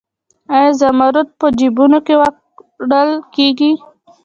آیا زمرد په جیبونو کې وړل کیږي؟